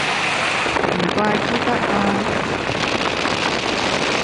唔怪之得啦